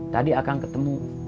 tadi akang ketemu